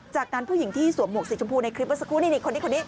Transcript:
จากนั้นผู้หญิงที่สวมห่วงสีชมพูในคลิปว่าสักครู่นี่คนนี้